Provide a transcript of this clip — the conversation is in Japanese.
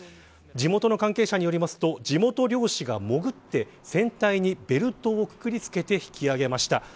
地元の関係者によりますと地元漁師が潜って船体にベルトをくくりつけて引き揚げました。